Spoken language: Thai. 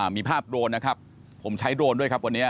มีภาพโดรนนะครับผมใช้โดรนด้วยครับวันนี้